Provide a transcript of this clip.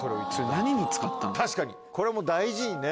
確かにこれはもう大事にね。